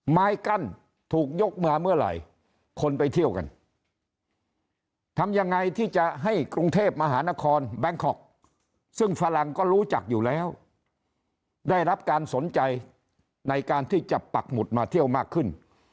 ไม้กั้นถูกยกมาเมื่อไหร่คนไปเที่ยวกันทำยังไงที่จะให้กรุงเทพมหานครแบงคอกซึ่งฝรั่งก็รู้จักอยู่แล้วได้รับการสนใจในการที่จะปักหมุดมาเที่ยวมากขึ้น